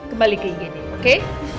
kembali ke igd oke